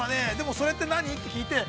それって何？って聞いて。